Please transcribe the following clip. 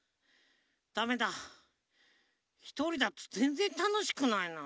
だめだひとりだとぜんぜんたのしくないな。